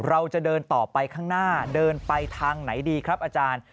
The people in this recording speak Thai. เราจะเดินต่อไปข้างหน้าเดินไปทางไหนดีครับอาจารย์